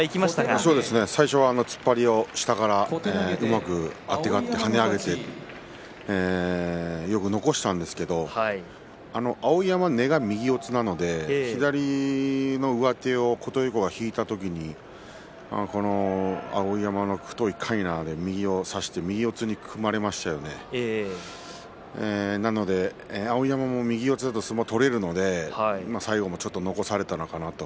そうですね最初は突っ張りを、うまくあてがって跳ね上げてよく残したんですけれども碧山は根が右四つなので左の上手を琴恵光が引いた時に碧山の太いかいなで右を差して右四つに組まれましたよねなので碧山も右四つだと相撲が取れるので最後、残せたのかなと。